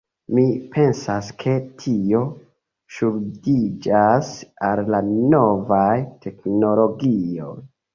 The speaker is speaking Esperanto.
Mi pensas ke tio ŝuldiĝas al la novaj teknologioj.